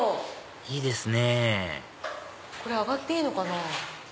いいですねこれ上がっていいのかな？